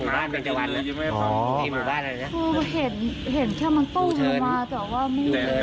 เราเห็นเห็นแค่มันปลูกลงมาแต่ว่าไม่เห็น